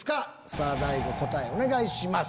さぁ大悟答えお願いします。